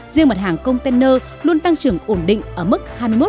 riêng mặt hàng container luôn tăng trưởng ổn định ở mức hai mươi một